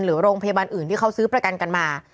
หรือโรงพยาบาลอื่นที่เขาซื้อประกันกันมา